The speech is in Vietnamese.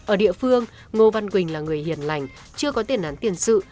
ở địa phương ngô văn quỳnh là người hiền lành chưa có tiền án tiền sự